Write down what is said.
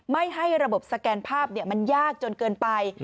ไม่ให้ระบบสแกนภาพมันยากจนเกินไป